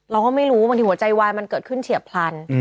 เราก็ไม่รู้บางทีหัวใจวายมันเกิดขึ้นเฉียบพลัน